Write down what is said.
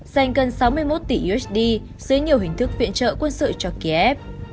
dành gần sáu mươi một tỷ usd dưới nhiều hình thức viện trợ quân sự cho kiev